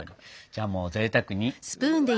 じゃあもうぜいたくに。